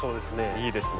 いいですね。